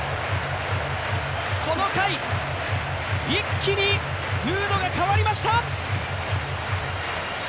この回、一気にムードが変わりました。